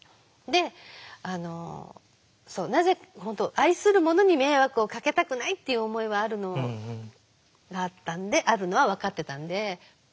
「愛する者に迷惑をかけたくない」っていう思いはあるのは分かってたんで。